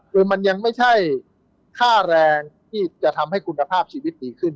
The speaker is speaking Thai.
โดยมันยังไม่ใช่ค่าแรงที่จะทำให้คุณภาพชีวิตดีขึ้น